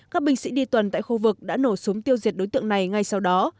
các binh sĩ đi tuần tại khu vực đã nổ súng tiêu diệt đối tượng này ngay sau đó